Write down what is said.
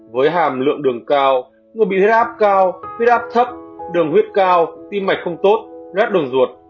với hàm lượng đường cao người bị huyết áp cao huyết áp thấp đường huyết cao tim mạch không tốt rét đường ruột